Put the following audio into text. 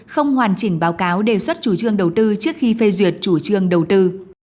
không hoàn chỉnh báo cáo đề xuất chủ trương đầu tư trước khi phê duyệt chủ trương đầu tư